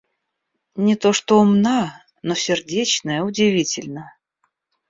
Не то что умна, но сердечная удивительно.